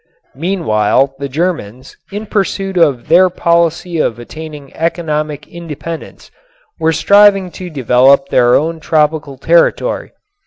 Meanwhile the Germans, in pursuit of their policy of attaining economic independence, were striving to develop their own tropical territory.